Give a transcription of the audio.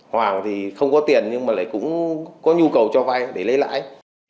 hoàng thì không có tiền nhưng mà lại cũng có nhu cầu cho vai để lấy lại